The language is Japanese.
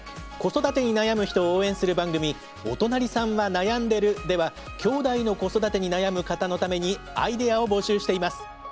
子育てに悩む人を応援する番組「おとなりさんはなやんでる。」ではきょうだいの子育てに悩む方のためにアイデアを募集しています。